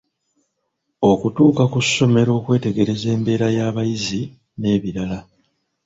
Okutuuka ku ssomero okwetegereza embeera y'abayizi n'ebirala.